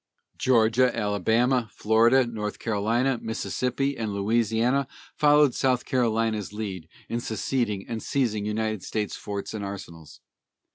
Georgia, Alabama, Florida, North Carolina, Mississippi, and Louisiana followed South Carolina's lead in seceding and seizing United States forts and arsenals.